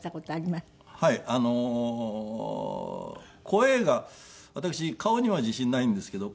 声が私顔には自信ないんですけど